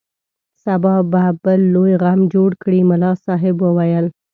سبا به بل لوی غم جوړ کړي ملا صاحب وویل.